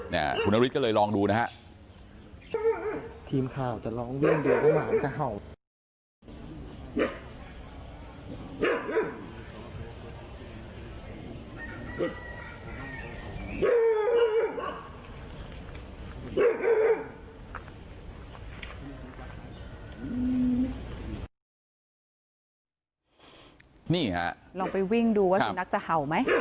เนี่ยสุณฤทธิ์ก็เลยลองดูนะฮะ